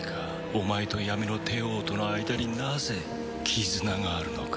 お前と闇の帝王との間になぜ絆があるのか？